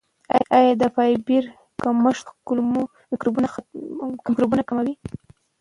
آیا د فایبر کمښت د کولمو میکروبونه کموي؟